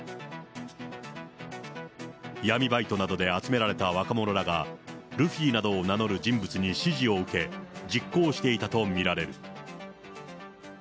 闇バイトなどで集められた若者らが、ルフィなどを名乗る人物に指示を受け、実行していたと見られる。